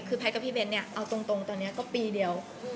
คือแพทย์กับพี่เบ้นเนี่ยเอาตรงตอนนี้ก็ปีเดียว